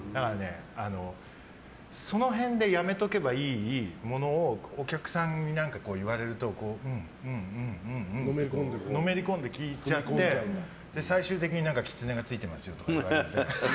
その辺でやめておけばいいものをお客さんに言われるとうんうんってのめり込んで聞いちゃって最終的にキツネがついてますよとか言われて。